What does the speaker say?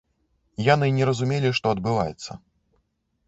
Яны не разумелі, што адбываецца.